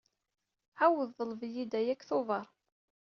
Ɛawed ḍleb-iyi-d aya deg tuber.